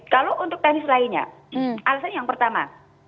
kalau untuk teknis lainnya alasan yang pertama